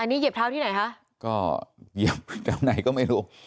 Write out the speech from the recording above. นี่เหยียบเท้าที่ไหนคะก็เหยียบจากไหนก็ไม่รู้